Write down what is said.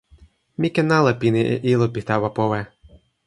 mi ken ala pini e ilo pi tawa powe.